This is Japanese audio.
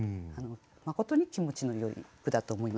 まことに気持ちのよい句だと思います。